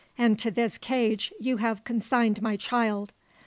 And to this cage you have consigned my child!